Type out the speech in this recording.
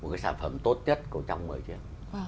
một cái sản phẩm tốt nhất của trong một mươi chiếc